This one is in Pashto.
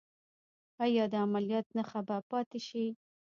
ایا د عملیات نښه به پاتې شي؟